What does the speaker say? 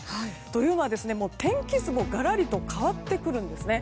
というのは天気図もがらりと変わってくるんです。